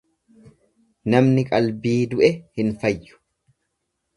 Namni qalbii du'e hin fayyu.